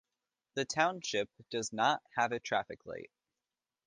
The township does not have a traffic light.